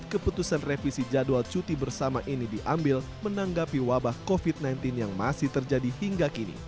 keputusan revisi jadwal cuti bersama ini diambil menanggapi wabah covid sembilan belas yang masih terjadi hingga kini